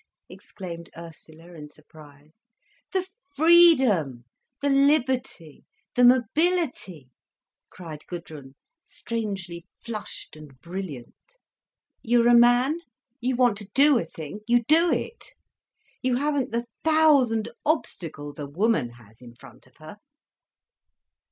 exclaimed Ursula in surprise. "The freedom, the liberty, the mobility!" cried Gudrun, strangely flushed and brilliant. "You're a man, you want to do a thing, you do it. You haven't the thousand obstacles a woman has in front of her."